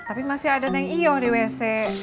tapi masih ada yang io di wc